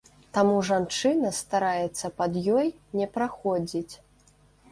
Таму жанчына стараецца пад ёй не праходзіць.